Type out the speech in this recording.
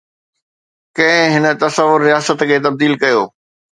ڪنهن هن تصور رياست کي تبديل ڪيو؟